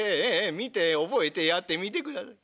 見て覚えてやってみてください。